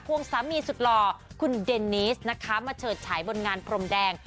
วงสามีสุดหล่อคุณเดนิสนะคะมาเฉิดฉายบนงานพรมแดง